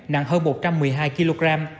nặng hơn một trăm một mươi hai kg